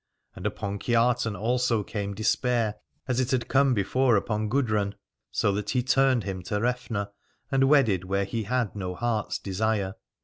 And upon Kiartan also came despair, as it had come before upon Gudrun : so that he turned him to Refna and wedded where he had no heart's desire.